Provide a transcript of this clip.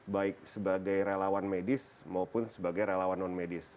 baik sebagai relawan medis maupun sebagai relawan non medis